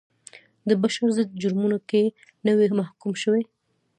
د بشر ضد جرمونو کې نه وي محکوم شوي.